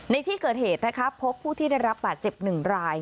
ในที่เกิดเหตุนะครับพบผู้ที่ได้รับบาดเจ็บ๑ราย